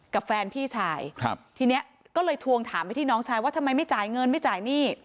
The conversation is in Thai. กับแฟนพี่ชายครับทีนี้ก็เลยทวงถามไปที่น้องชายว่าทำไมไม่จ่ายเงินไม่จ่ายหนี้